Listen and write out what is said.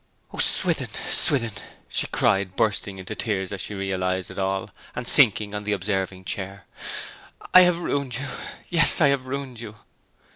'O Swithin! Swithin!' she cried, bursting into tears as she realized it all, and sinking on the observing chair; 'I have ruined you! yes, I have ruined you!'